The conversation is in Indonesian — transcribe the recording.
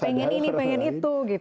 pengen ini pengen itu